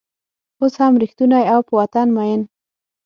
اوس هم رشتونی او په وطن مین